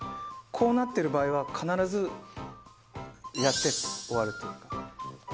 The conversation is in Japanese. こうなってる場合は、必ずやって終わるっていう。